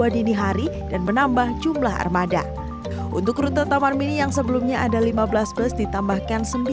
dini hari dan menambah jumlah armada untuk rute taman mini yang sebelumnya ada lima belas bus ditambahkan